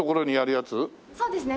そうですね。